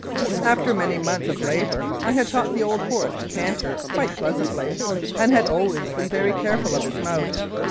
After many months of labour I had taught the old horse to canter quite pleasantly, and had always been very careful of his mouth.